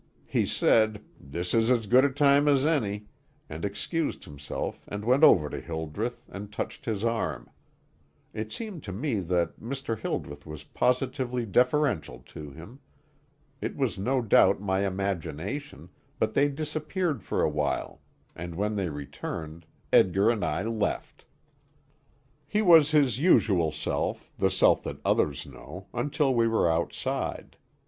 He said: "This is as good a time as any," and excused himself and went over to Hildreth, and touched his arm. It seemed to me that Mr. Hildreth was positively deferential to him. It was no doubt my imagination, but they disappeared for a while, and when they returned, Edgar and I left. He was his usual self the self that others know, until we were outside.